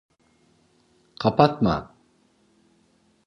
Kapatma!